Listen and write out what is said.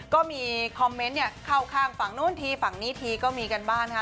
ก็มีคอมเมนต์เนี่ยเข้าข้างฝั่งนู้นทีฝั่งนี้ทีก็มีกันบ้างนะคะ